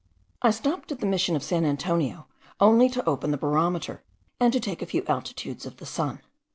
I stopped at the Mission of San Antonio only to open the barometer, and to take a few altitudes of the sun.